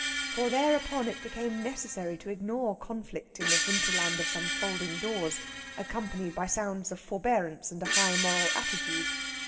For thereupon it became necessary to ignore conflict in the hinterland of some folding doors, accompanied by sounds of forbearance and a high moral attitude.